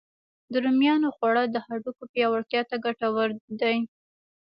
د رومیانو خوړل د هډوکو پیاوړتیا ته ګتور دی